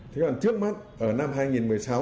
thế còn trước mắt ở năm hai nghìn một mươi sáu